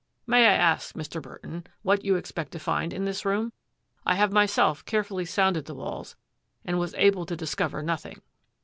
May I ask, Mr. Burton, what you expect to find in this room? I have myself carefully sounded the walls and was able to discover nothing."